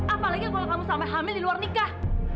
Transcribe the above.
apalagi kalau kamu sampai hamil di luar nikah